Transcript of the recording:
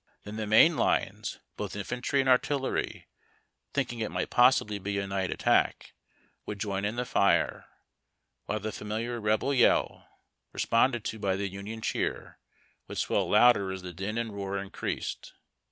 59 Then the main lines, both infantry and artillery, thinking it miglit possibly be a night attack, would join in the fire, while the familiar Rebel yell, responded to by the Union cheer, would swell louder as the din and roar increased.